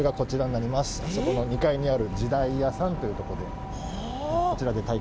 あそこの２階にある時代屋さんという。